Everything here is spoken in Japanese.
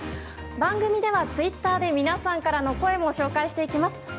番組では、ツイッターで皆さんからの声も紹介していきます。